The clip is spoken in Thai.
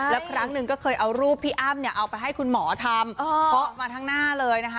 แล้วครั้งหนึ่งก็เคยเอารูปพี่อ้ำเนี่ยเอาไปให้คุณหมอทำเคาะมาทั้งหน้าเลยนะคะ